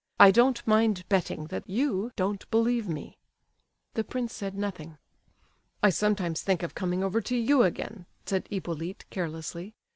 I don't mind betting that you don't believe me!" The prince said nothing. "I sometimes think of coming over to you again," said Hippolyte, carelessly.